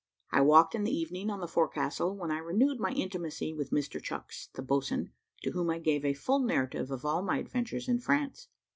I walked in the evening on the forecastle, when I renewed my intimacy with Mr Chucks, the boatswain, to whom I gave a full narrative of all my adventures in France.